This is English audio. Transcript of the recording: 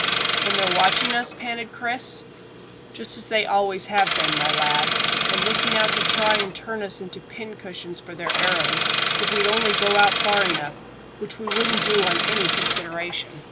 "Then they're watching us?" panted Chris. "Just as they always have been, my lad, and looking out to try and turn us into pin cushions for their arrows, if we'd only go out far enough, which we wouldn't do on any consideration."